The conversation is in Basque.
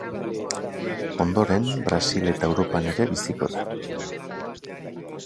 Ondoren, Brasil eta Europan ere biziko da.